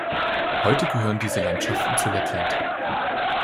Heute gehören diese Landschaften zu Lettland.